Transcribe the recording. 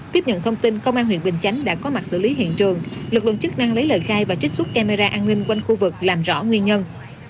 tiếp nhận thông tin công an huyện bình chánh đã có mặt xử lý hiện trường lực lượng chức năng lấy lời khai và trích xuất camera an ninh quanh khu vực làm rõ nguyên nhân